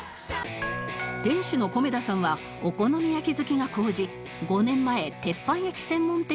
店主の米田さんはお好み焼き好きが高じ５年前鉄板焼き専門店をオープン